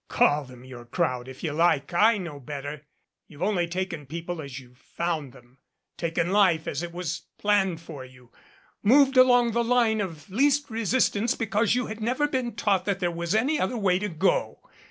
Call them your crowd if you like. I know better. You've only taken people as you've found them taken life as it was planned for you moved along the line of least resistance because you'd never been taught that there was any other way to go.